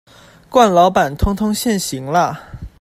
慣老闆通通現形啦